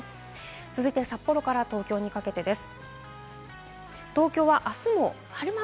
続いて、札幌から東京にかけてです。